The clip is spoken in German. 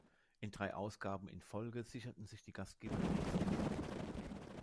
In drei Ausgaben in Folge sicherten sich die Gastgeber stets den Titel.